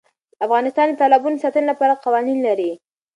افغانستان د تالابونو د ساتنې لپاره قوانین لري.